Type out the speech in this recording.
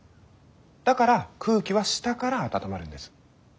だから空気は下から温まるんです。